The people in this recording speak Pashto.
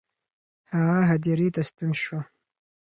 هغه هدیرې ته ورستون شو.